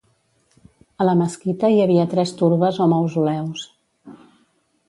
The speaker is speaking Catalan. A la mesquita hi havia tres turbes o mausoleus.